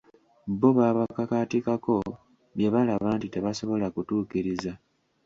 Bo babakakaatikako bye balaba nti tebasobola kutuukiriza.